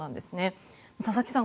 佐々木さん